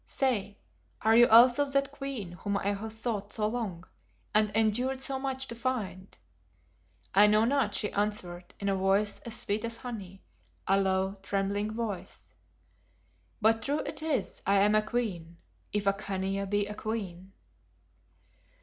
Say, are you also that queen whom I have sought so long and endured so much to find?" "I know not," she answered in a voice as sweet as honey, a low, trembling voice; "but true it is I am a queen if a Khania be a queen."